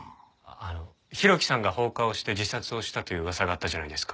あの浩喜さんが放火をして自殺をしたという噂があったじゃないですか。